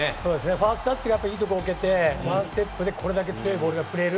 ファーストタッチがいいところに抜けてワンタッチであれだけ強いボールを振れる。